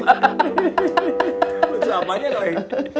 lucu apanya doi